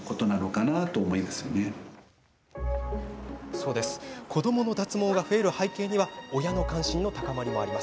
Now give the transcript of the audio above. そう、子どもの脱毛が増える背景には親の関心の高まりも。